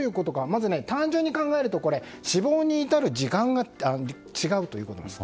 まず単純に考えると死亡に至る時間が違うということです。